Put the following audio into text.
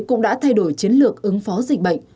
cũng đã thay đổi chiến lược ứng phó dịch bệnh